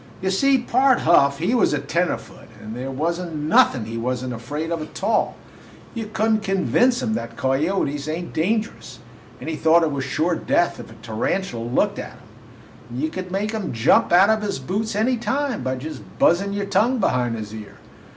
"You see, Pard Huff, he was a tenderfoot, and there was n't nothin' he was n't afraid of a tall. You could n't convince him that coyotes ain't dangerous; and he thought it was sure death if a tarantula looked at him; and you could make him jump out of his boots any time by just buzzin' your tongue behind his ear.